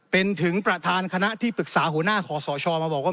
เป็นถึงประธานคณะที่ปรึกษาหัวหน้าขอสชมาบอกว่า